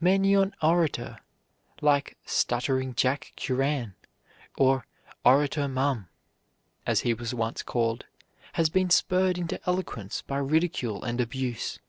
Many an orator like "stuttering Jack Curran," or "Orator Mum," as he was once called, has been spurred into eloquence by ridicule and abuse.